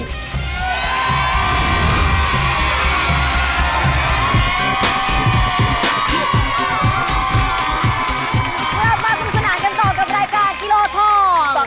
กลับมาสนุกสนานกันต่อกับรายการกิโลทอง